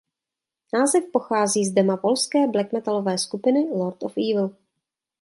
Název pochází z dema polské black metalové kapely Lord of Evil.